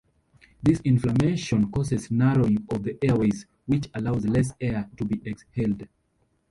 This inflammation causes narrowing of the airways which allows less air to be exhaled.